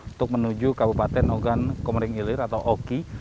untuk menuju kabupaten ogan komering ilir atau oki